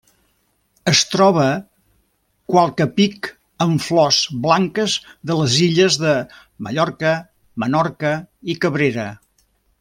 Es troba qualque pic amb flors blanques de les illes de Mallorca, Menorca i Cabrera.